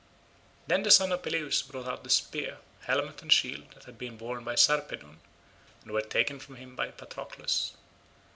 Then the son of Peleus brought out the spear, helmet and shield that had been borne by Sarpedon, and were taken from him by Patroclus.